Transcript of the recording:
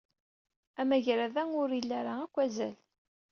Amagrad-a ur ili ara akk azal.